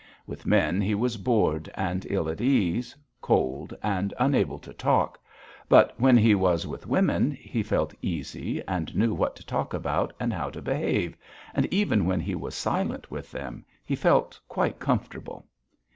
With men he was bored and ill at ease, cold and unable to talk, but when he was with women, he felt easy and knew what to talk about, and how to behave, and even when he was silent with them he felt quite comfortable.